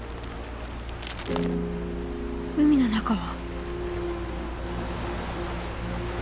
海の中は？